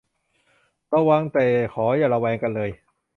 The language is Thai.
ระวัง แต่ขออย่าระแวงกันเลย